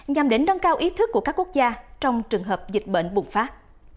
nhằm để nâng cao ý thức của các quốc gia trong trường hợp dịch bệnh bùng phát